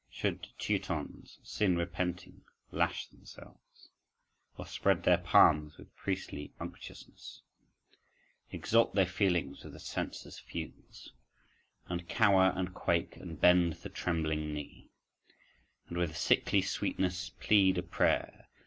Should Teutons, sin repenting, lash themselves, Or spread their palms with priestly unctuousness, Exalt their feelings with the censer's fumes, And cower and quake and bend the trembling knee, And with a sickly sweetness plead a prayer?